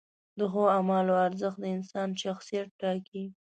د ښو اعمالو ارزښت د انسان شخصیت ټاکي.